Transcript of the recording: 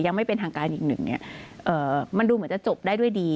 ไม่เป็นทางการอีกหนึ่งเนี่ยมันดูเหมือนจะจบได้ด้วยดี